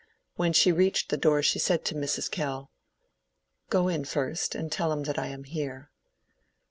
When she reached the door she said to Mrs. Kell— "Go in first, and tell him that I am here."